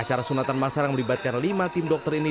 acara sunatan masalah yang melibatkan lima tim dokter indonesia